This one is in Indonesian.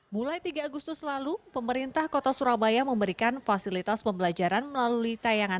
mulai tiga agustus lalu pemerintah kota surabaya memberikan fasilitas pembelajaran melalui tayangan